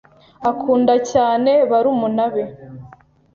Akunda cyane barumuna be.